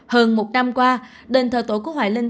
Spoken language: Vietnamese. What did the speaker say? hơn một năm qua đền thờ tổ của hoài linh